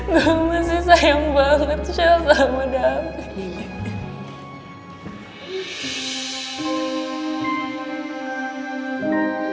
gue masih sayang banget shell sama david